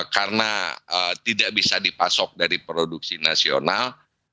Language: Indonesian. karena tidak bisa dipasok dari produksi nasional